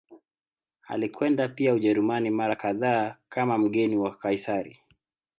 Alikwenda pia Ujerumani mara kadhaa kama mgeni wa Kaisari.